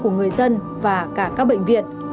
của người dân và cả các bệnh viện